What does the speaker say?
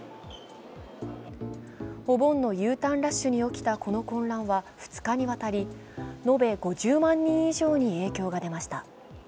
お盆のＵターンラッシュに起きたこの混乱は２日間にわたり延べ５０万人以上に影響が出ました。